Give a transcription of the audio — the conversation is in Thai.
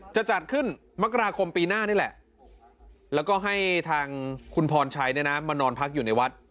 จะจัดขึ้นมกราคมปีหน้านี่แหละแล้วก็ให้ทางคุณพรชัยมานอนพักอยู่ในวัด